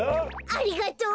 ありがとう。